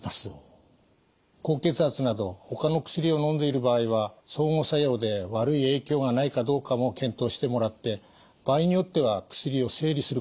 高血圧などほかの薬をのんでいる場合は相互作用で悪い影響がないかどうかも検討してもらって場合によっては薬を整理することもあります。